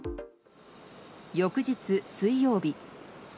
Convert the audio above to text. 翌日、水曜日。